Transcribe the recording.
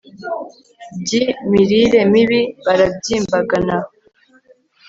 byi mirire mibi barabyimbagana